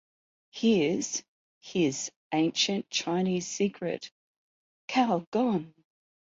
"Here's" his "Ancient Chinese Secret" - Calgon!